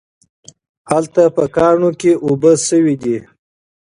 هلته په کاڼو کې اوبه شوي دي